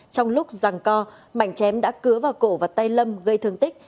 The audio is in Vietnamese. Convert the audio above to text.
trong lúc giằng co mảnh chém đã cứa vào cổ và tay lâm gây thương tích